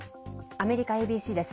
アメリカＡＢＣです。